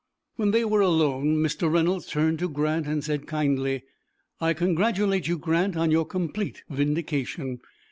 When they were alone Mr. Reynolds turned to Grant and said kindly, "I congratulate you, Grant, on your complete vindication.